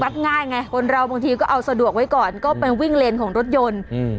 ง่ายไงคนเราบางทีก็เอาสะดวกไว้ก่อนก็ไปวิ่งเลนของรถยนต์อืม